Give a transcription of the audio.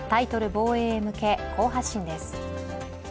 防衛へ向け、好発進です。